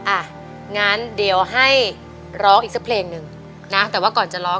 อ่ะงั้นเดี๋ยวให้ร้องอีกสักเพลงหนึ่งนะแต่ว่าก่อนจะร้อง